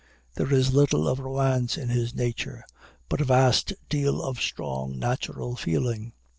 There is little of romance in his nature, but a vast deal of strong natural feeling.